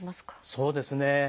そうですね。